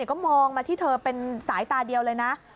ก็มองมาที่เธอเป็นสายตาเดียวเลยนะ